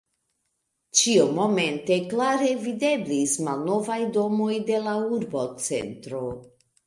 Ĉiumomente klare videblis malnovaj domoj de la urbocentro.